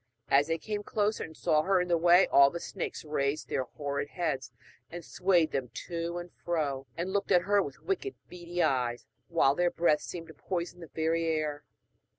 As they came closer and saw her in the way, all the snakes raised their horrid heads and swayed them to and fro, and looked at her with wicked beady eyes, while their breath seemed to poison the very air.